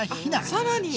さらに！